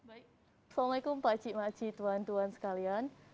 assalamu'alaikum pakcik makcik tuan tuan sekalian